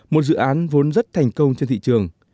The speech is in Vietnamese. một dự án vốn rất thành công trên thị trường